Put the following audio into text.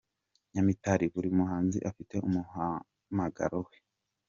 Nyamitari : Buri muhanzi afite umuhamagaro we.